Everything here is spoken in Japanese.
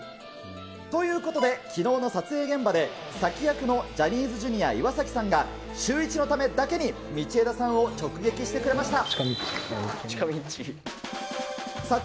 ということで、きのうの撮影現場で、佐木役のジャニーズＪｒ．・岩崎さんが、シューイチのためだけに道枝さんを直撃してくれました。